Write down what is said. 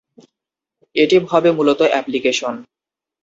এটি হবে মূলত অ্যাপ্লিকেশন।